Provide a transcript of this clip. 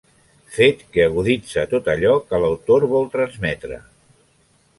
Fet que aguditza tot allò que l’autor vol transmetre.